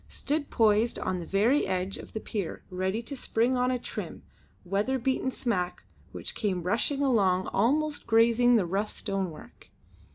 stood poised on the very edge of the pier ready to spring on a trim, weather beaten smack which came rushing along almost grazing the rough stone work.